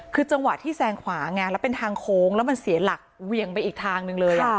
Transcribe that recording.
คือจังหวะที่แซงขวาไงแล้วเป็นทางโค้งแล้วมันเสียหลักเวียงไปอีกทางหนึ่งเลย